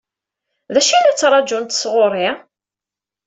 D acu i la ttṛaǧunt sɣur-i?